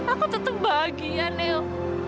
aku tetep bahagia niel